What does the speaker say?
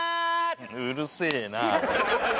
うるせえな。